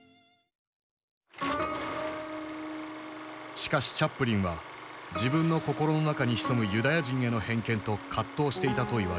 しかしチャップリンは自分の心の中に潜むユダヤ人への偏見と葛藤していたといわれる。